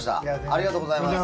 ありがとうございます。